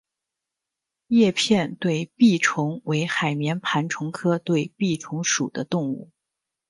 叶片对臂虫为海绵盘虫科对臂虫属的动物。